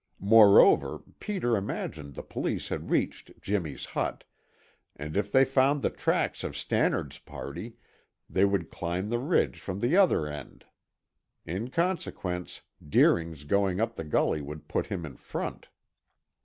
Moreover Peter imagined the police had reached Jimmy's hut, and if they found the tracks of Stannard's party, they would climb the ridge from the other end. In consequence, Deering's going up the gully would put him in front.